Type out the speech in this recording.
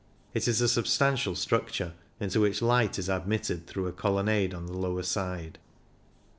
It is a substantial struc ture, into which light is admitted through a colonnade on the lower side.